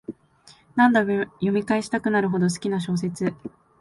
何度も読み返したくなるほど好きな小説